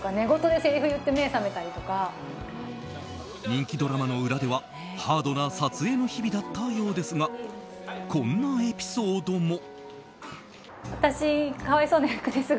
人気ドラマの裏ではハードな撮影の日々だったようですがこんなエピソードも。